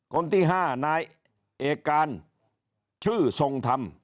คนที่๕นายเอกการชื่อทรงธรรม